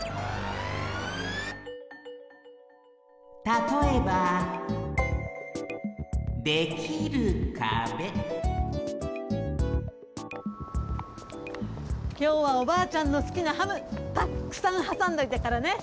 たとえばきょうはおばあちゃんのすきなハムたっくさんはさんどいたからね。